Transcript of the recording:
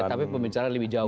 tapi pembicaraan lebih jauh